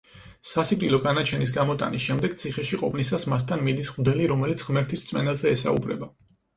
სასიკვდილო განაჩენის გამოტანის შემდეგ, ციხეში ყოფნისას, მასთან მიდის მღვდელი, რომელიც ღმერთის რწმენაზე ესაუბრება.